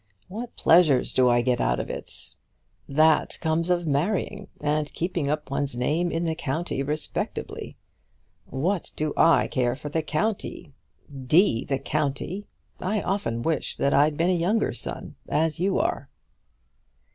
What pleasures do I get out of it? That comes of marrying and keeping up one's name in the county respectably! What do I care for the county? D the county! I often wish that I'd been a younger son, as you are."